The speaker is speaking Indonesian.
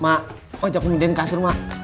mak ojak mau pindahin kasur mak